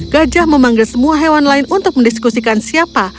gajah memanggil semua hewan lain untuk mendiskusikan siapa